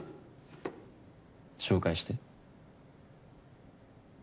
紹介して。